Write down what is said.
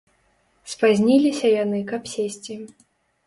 Спазніліся яны, каб сесці.